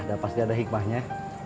sudah pasti ada hikmahnya